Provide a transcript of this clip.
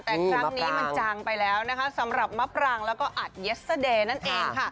แต่ครั้งนี้มันจางไปแล้วนะคะสำหรับแล้วก็นั่นเองค่ะ